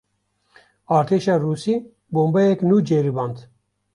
Artêşa Rûsî, bombeyek nû ceriband